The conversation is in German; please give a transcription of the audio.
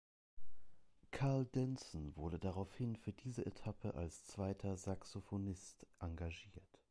Karl Denson wurde daraufhin für diese Etappe als zweiter Saxophonist engagiert.